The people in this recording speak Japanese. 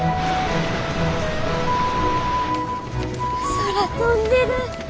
空飛んでる。